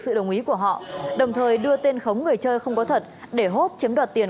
sự đồng ý của họ đồng thời đưa tên khống người chơi không có thật để hốt chiếm đoạt tiền